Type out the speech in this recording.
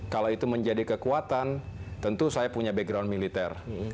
kalau itu menjadi kekuatan tentu saya punya background militer